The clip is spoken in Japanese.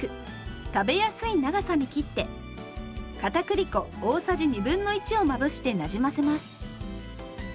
食べやすい長さに切ってかたくり粉大さじ1/2をまぶしてなじませます。